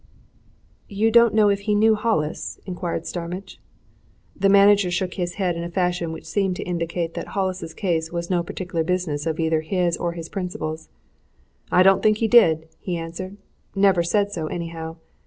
"You don't know if he knew Hollis?" inquired Starmidge. The manager shook his head in a fashion which seemed to indicate that Hollis's case was no particular business of either his or his principal's. "I don't think he did," he answered. "Never said so, anyhow.